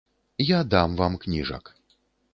Я дам вам кніжак.